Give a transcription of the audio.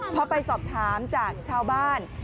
พอไปสอบถามจากชาวบ้าน